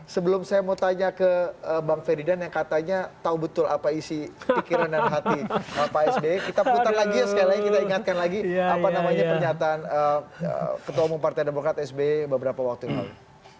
sebelum saya mau tanya ke bang ferdinand yang katanya tahu betul apa isi pikiran dan hati pak sby kita putar lagi ya sekali lagi kita ingatkan lagi apa namanya pernyataan ketua umum partai demokrat sby beberapa waktu yang lalu